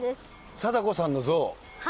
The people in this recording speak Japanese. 禎子さんの像。